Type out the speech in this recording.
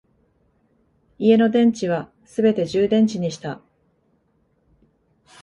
家の電池はすべて充電池にした